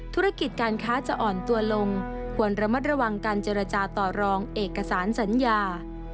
ธุรกิจการค้าจะอ่อนตัวลงควรระมัดระวังการเจรจาต่อรองเอกสารสัญญา